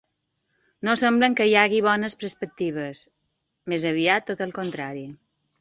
No semblen que hi hagin bones perspectives, més aviat tot el contrari.